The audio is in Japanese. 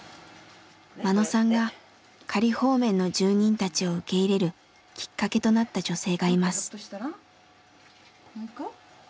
眞野さんが仮放免の住人たちを受け入れるきっかけとなった女性がいます。